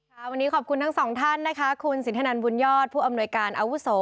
วันนี้ขอบคุณทั้งสองท่านนะคะคุณสินทนันบุญยอดผู้อำนวยการอาวุโส